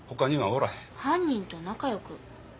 犯人と仲良く？